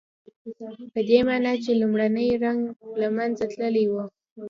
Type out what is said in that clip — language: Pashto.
پدې معنی چې لومړنی رنګ له منځه تللی وي.